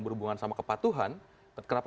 berhubungan sama kepatuhan kenapa